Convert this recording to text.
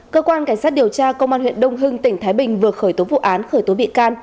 cơ quan cảnh sát điều tra công an huyện đông hưng tỉnh thái bình vừa khởi tố vụ án khởi tố bị can